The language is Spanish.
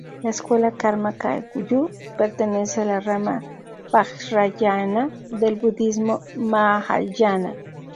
La escuela Karma Kagyu pertenece a la rama vajrayāna del budismo mahāyāna.